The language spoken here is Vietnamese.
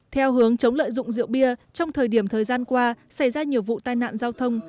theo hướng chống lợi dụng rượu bia trong thời điểm thời gian qua xảy ra nhiều vụ tai nạn giao thông